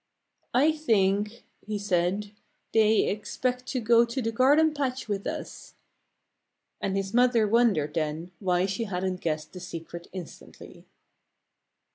"I think," he said, "they expect to go to the garden patch with us." And his mother wondered, then, why she hadn't guessed the secret instantly.